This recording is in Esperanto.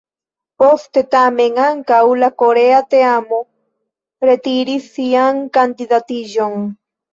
Poste tamen ankaŭ la korea teamo retiris sian kandidatiĝon.